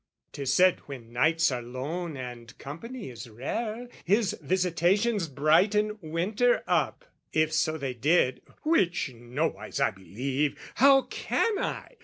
'Tis said When nights are lone and company is rare, His visitations brighten winter up. If so they did which nowise I believe How can I?